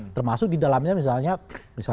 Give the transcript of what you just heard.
termasuk di dalamnya misalnya